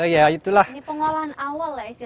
ya itulah ini pengolahan awal ya